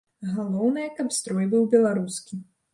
Галоўнае, каб строй быў беларускі.